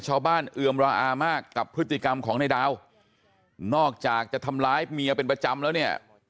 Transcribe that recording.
เอือมระอามากกับพฤติกรรมของในดาวนอกจากจะทำร้ายเมียเป็นประจำแล้วเนี่ย